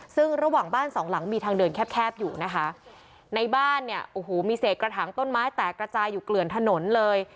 ซึ่งระหว่างบ้านสองหลังมีทางเดินแคบแคบอยู่นะคะในบ้านเนี่ยโอ้โหมีเศษกระถางต้นไม้แตกกระจายอยู่เกลื่อนถนนเลย